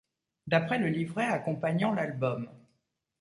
D'après le livret accompagnant l'album.